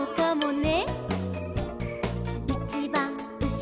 「ね！」